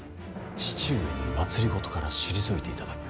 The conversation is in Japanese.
父上に政から退いていただく。